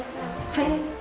はい。